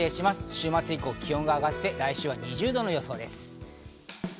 週末以降は気温が上がって、来週は２０度の予想です。